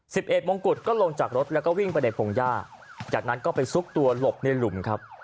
สิบเอ็มงกุฎก็ลงจากรถแล้วก็วิ่งไปในพงหญ้าจากนั้นก็ไปซุกตัวหลบในหลุมครับ